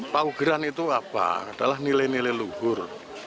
paugeran itu apa adalah nilai nilai luhur